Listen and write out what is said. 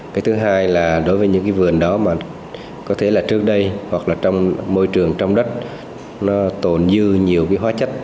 cái thứ hai là đối với những cái vườn đó mà có thể là trước đây hoặc là trong môi trường trong đất nó tồn dư nhiều cái hóa chất